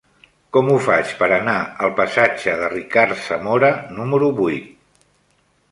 Com ho faig per anar al passatge de Ricard Zamora número vuit?